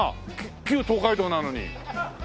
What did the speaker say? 旧東海道なのに。